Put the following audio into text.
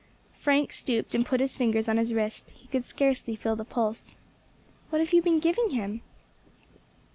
Frank stooped and put his fingers on his wrist. He could scarcely feel the pulse. "What have you been giving him?"